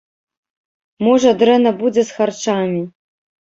Можа, дрэнна будзе з харчамі.